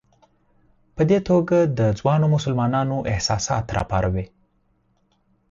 په دې توګه د ځوانو مسلمانانو احساسات راپاروي.